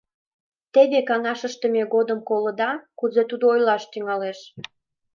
Теве каҥаш ыштыме годым колыда, кузе тудо ойлаш тӱҥалеш.